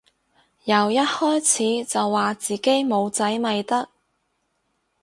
由一開始就話自己冇仔咪得